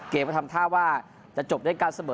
เกมต์จะทำท่าว่าจะจบได้กันเสมอ